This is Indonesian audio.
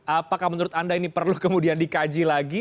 apakah menurut anda ini perlu kemudian dikaji lagi